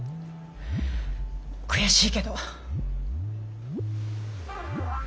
悔しいけど。